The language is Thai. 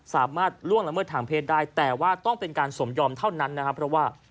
สามารถล่วงละเมิดถังเพทย์ได้แต่ว่าต้องเป็นการสมยอมเท่านั้นเพราะว่า